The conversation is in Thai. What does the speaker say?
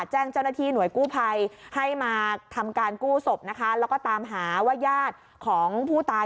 จ้านาธิหน่วยกู้ไพยให้มาทำการกู้ศพนะคะแล้วก็ตามหาว่ายาดของผู้ตาย